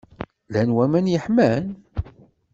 Llan waman yeḥman?